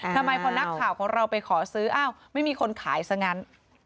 ทำไมพอนักข่าวของเราไปขอซื้ออ้าวไม่มีคนขายซะงั้น